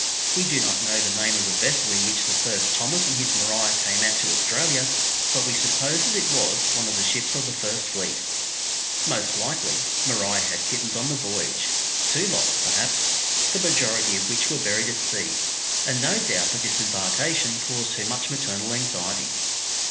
We do not know the name of the vessel in which the first Thomas and his Maria came out to Australia, but we suppose that it was one of the ships of the First Fleet. Most likely Maria had kittens on the voyage two lots, perhaps the majority of which were buried at sea; and no doubt the disembarkation caused her much maternal anxiety.